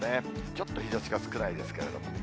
ちょっと日ざしが少ないですけれども。